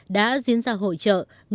đã diễn ra hội trợ